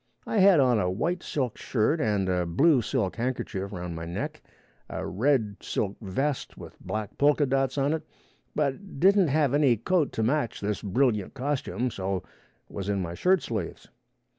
I had on a white silk shirt and a blue silk handkerchief round my neck, a red silk vest with black polka dots on it, but didn't have any coat to match this brilliant costume, so was in my shirt sleeves.